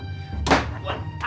dia bapa tirinya wita